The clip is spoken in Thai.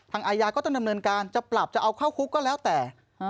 อายาก็ต้องดำเนินการจะปรับจะเอาเข้าคุกก็แล้วแต่